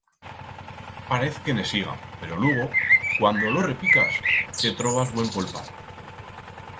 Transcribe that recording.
Parez que ne siga pero lugo, cuando lo repicas, te trobas buen polpar.